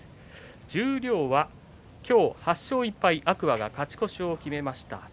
十両は今日を８勝１敗天空海が勝ち越しを決めました。